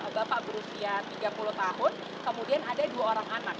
bapak berusia tiga puluh tahun kemudian ada dua orang anak